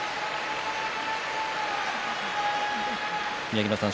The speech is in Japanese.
宮城野さん